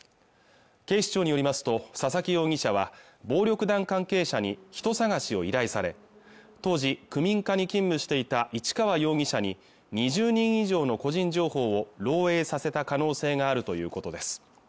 警視庁によりますと佐々木容疑者は暴力団関係者に人捜しを依頼され当時区民課に勤務していた市川容疑者に２０人以上の個人情報を漏えいさせた可能性があるということです